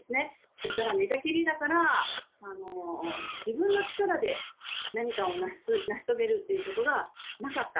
それから寝たきりだから自分の力で何かを成し遂げるということがなかった。